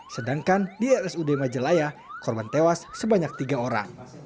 sedangkan di rsud majalaya korban tewas sebanyak tiga orang